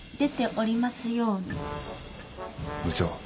部長。